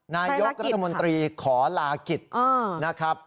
นายกรัฐมนตรีขอลากิจนะครับ